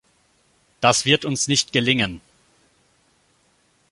Das wird uns nicht gelingen!